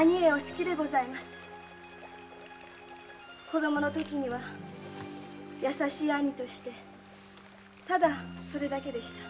子供の時には優しい兄としてただそれだけでした。